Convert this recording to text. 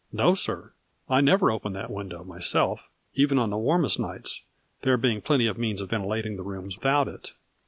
" No, sir, I never open that window myself, even on the warmest nights, there being plenty of means of ventilating the rooms without it.